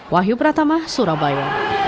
wahyu pratama surabaya